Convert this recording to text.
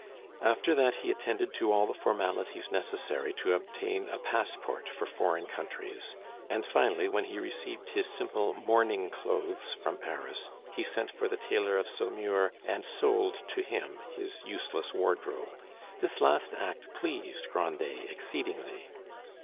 After that he attended to all the formalities necessary to obtain a passport for foreign countries; and finally, when he received his simple mourning clothes from Paris, he sent for the tailor of Saumur and sold to him his useless wardrobe. This last act pleased Grandet exceedingly.